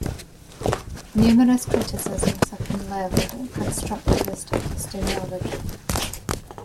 Numerous criticisms have been leveled at Constructivist epistemology.